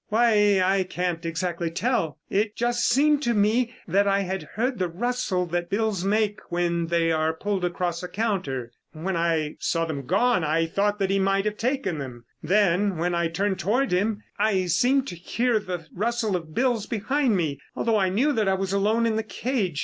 "Why, I can't exactly tell. It just seemed to me that I had heard the rustle that bills make when they are pulled across a counter. When I saw them gone, I thought that he might have taken them. Then when I turned toward him, I seemed to hear the rustle of bills behind me, although I knew that I was alone in the cage.